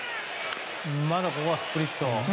ここはスプリット。